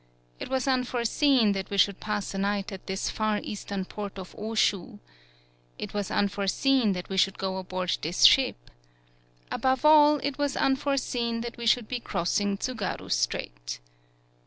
It was unforeseen that we should pass a night at this far eastern port of Oshu. It was unforeseen that we should go aboard this ship. Above all, it was unforeseen that we should be crossing Tsugaru Strait.